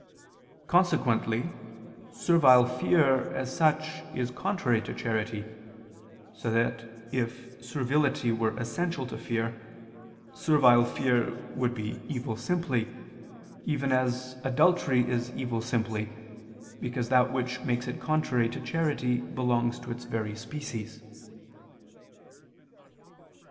Consequently servile fear as such is contrary to charity: so that if servility were essential to fear, servile fear would be evil simply, even as adultery is evil simply, because that which makes it contrary to charity belongs to its very species.